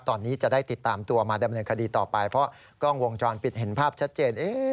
ตอนนี้จะได้ติดตามตัวมาดำเนินคดีต่อไปเพราะกล้องวงจรปิดเห็นภาพชัดเจน